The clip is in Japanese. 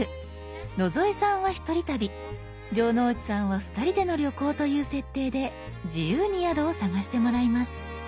野添さんはひとり旅城之内さんはふたりでの旅行という設定で自由に宿を探してもらいます。